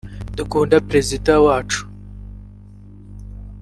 dukunda perezida wacu